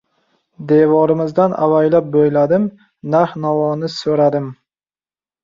Devorimizdan avaylab bo‘yladim. Narx-navoni so‘radim.